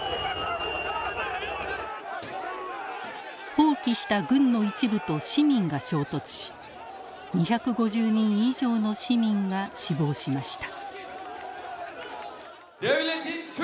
蜂起した軍の一部と市民が衝突し２５０人以上の市民が死亡しました。